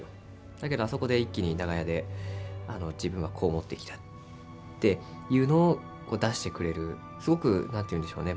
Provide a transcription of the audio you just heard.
だけど、あそこで一気に長屋でっていうのを出してくれるすごくなんて言うんでしょうね